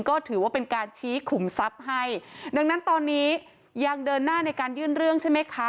ก็ถือว่าเป็นการชี้ขุมทรัพย์ให้ดังนั้นตอนนี้ยังเดินหน้าในการยื่นเรื่องใช่ไหมคะ